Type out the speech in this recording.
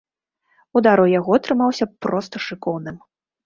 Удар у яго атрымаўся проста шыкоўным.